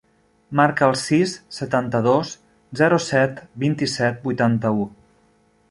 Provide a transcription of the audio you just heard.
Marca el sis, setanta-dos, zero, set, vint-i-set, vuitanta-u.